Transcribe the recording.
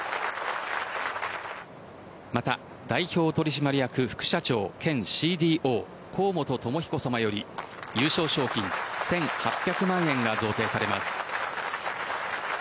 また、代表取締役副社長兼ＣＤＯ幸本智彦さまより優勝賞金１８００万円が贈呈されます。